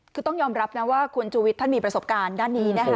คือต้องยอมรับนะว่าคุณชูวิทย์ท่านมีประสบการณ์ด้านนี้นะคะ